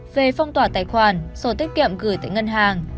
về phong tỏa tài khoản sổ tiết kiệm gửi tại ngân hàng